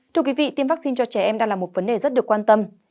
thưa quý vị tiêm vaccine cho trẻ em đang là một vấn đề rất được quan tâm